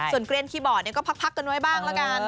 ส่วนเกรนคีย์บอร์ดก็พักกันไว้บ้างละกัน